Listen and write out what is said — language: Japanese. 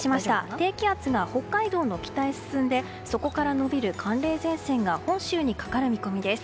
低気圧が北海道の北へ進んでそこから延びる寒冷前線が本州にかかる見込みです。